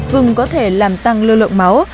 gừng có thể làm tăng lưu lộn máu